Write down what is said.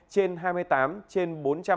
trên hai mươi tám trên bốn trăm bảy mươi bốn